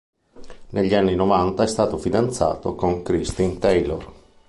Negli anni novanta è stato fidanzato con Christine Taylor.